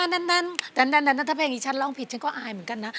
นั่นถ้าเพลงนี้ฉันร้องผิดฉันก็อายเหมือนกันนะ